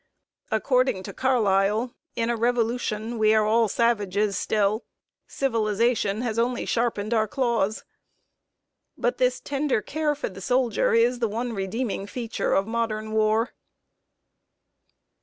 According to Carlyle, "in a revolution we are all savages still; civilization has only sharpened our claws;" but this tender care for the soldier is the one redeeming feature of modern war.